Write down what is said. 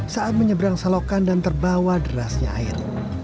saat menyeberang selokan dan terbawa derasnya air